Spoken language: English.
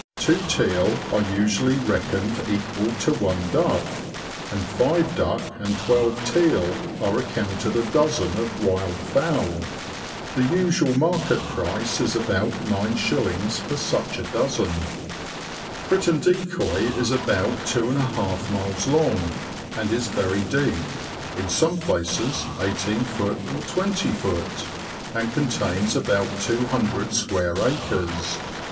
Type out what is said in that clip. Two teal are usually reckoned equal to one duck, and five duck and twelve teal are accounted a dozen of wild fowl. The usual market price is about gs. for such a dozen." Fritton Decoy is about two and a half miles long, and is very deep (in some places i8ft. or 2oft.), and contains about 200 square acres.